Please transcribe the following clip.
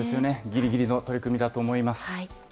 ぎりぎりの取り組みだと思います。